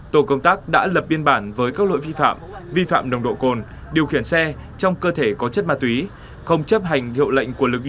tổ công tác đã lập biên bản với các lỗi vi phạm vi phạm nông độ cồn điều khiển xe trong cơ thể có chất ma túy không chấp hành hiệu lệnh của tài xế tín